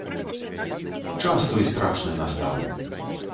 Час той страшны настаў!